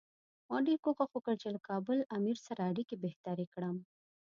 ما ډېر کوښښ وکړ چې له کابل امیر سره اړیکې بهترې کړم.